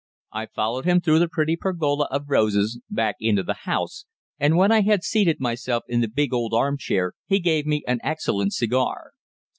I followed him through the pretty pergola of roses, back into the house, and when I had seated myself in the big old arm chair, he gave me an excellent cigar.